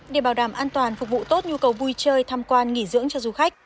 để bảo đảm an toàn phục vụ tốt nhu cầu vui chơi tham quan nghỉ dưỡng cho du khách